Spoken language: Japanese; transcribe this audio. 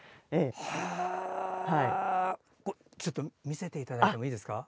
見せていただいてもいいですか？